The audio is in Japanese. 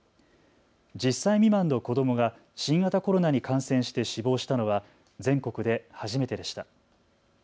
１０歳未満の子どもが新型コロナに感染して死亡したのは全国で初めてでした。